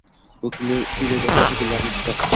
U kuylay boshlasa, gullarni tishlab